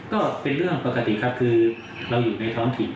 ก็เป็นเรื่องปกติครับคือเราอยู่ในท้องถิ่น